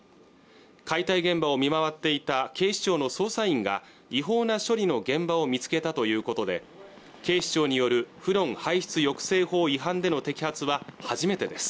解体現場を見回っていた警視庁の捜査員が違法な処理の現場を見つけたということで警視庁によるフロン排出抑制法違反での摘発は初めてです